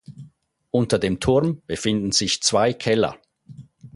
Unter dem Turm befinden sich zwei Keller.